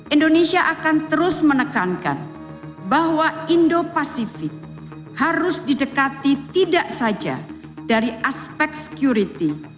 indonesia akan terus menekankan bahwa indo pasifik harus didekati tidak saja dari aspek security